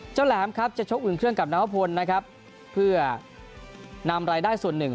แหลมครับจะชกอื่นเครื่องกับนวพลนะครับเพื่อนำรายได้ส่วนหนึ่ง